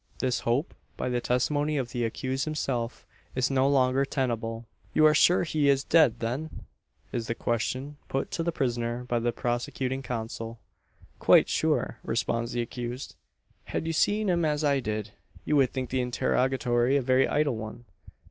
This hope, by the testimony of the accused himself, is no longer tenable. "You are sure he is dead, then?" is the question put to the prisoner by the prosecuting counsel. "Quite sure," responds the accused. "Had you seen him as I did, you would think the interrogatory a very idle one."